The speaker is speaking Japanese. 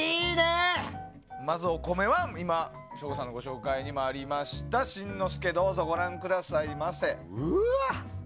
まず、お米は省吾さんのご紹介にもありました新之助、どうぞご覧くださいませ。